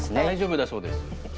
大丈夫だそうです。